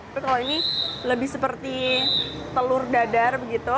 tapi kalau ini lebih seperti telur dadar begitu